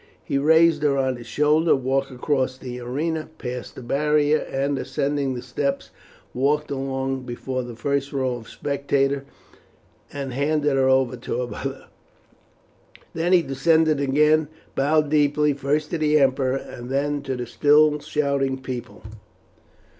He raised her on his shoulder, walked across the arena, passed the barrier, and, ascending the steps, walked along before the first row of spectators and handed her over to her mother. Then he descended again, and bowed deeply, first to the emperor and then to the still shouting people.